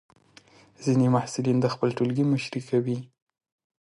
ځینې محصلین د خپل ټولګي مشري کوي.